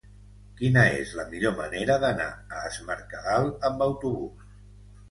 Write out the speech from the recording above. Quina és la millor manera d'anar a Es Mercadal amb autobús?